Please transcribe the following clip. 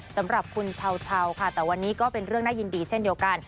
สำหรับคุณชาวค่ะแต่วันนี้ก็เป็นเรื่องน่ายินดีเช่นเดียวกัน